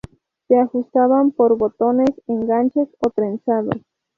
Se ajustaban por botones, enganches o trenzado.